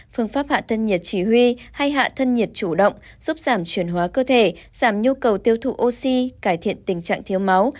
phương pháp hạ tân nhiệt chỉ huy hay hạ thân nhiệt chủ động giúp giảm truyền hóa cơ thể giảm nhu cầu tiêu thụ oxy cải thiện tình trạng thiếu máu